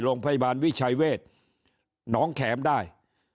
โรงพยาบาลวิชัยเวทหนองแข็มได้